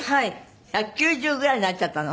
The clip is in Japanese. １９０ぐらいになっちゃったの？